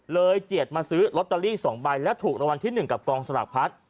เจียดมาซื้อลอตเตอรี่๒ใบและถูกรางวัลที่๑กับกองสลากพัด